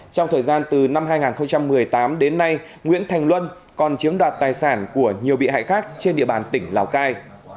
trong thời gian từ năm hai nghìn một mươi tám đến nay nguyễn thành luân còn chiếm đoạt tài sản của nhiều bị hại khác trên địa bàn tỉnh lào cai